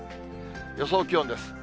予想気温です。